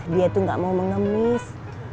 dia itu gak mau mengemis